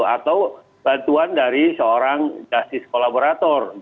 atau bantuan dari seorang justice kolaborator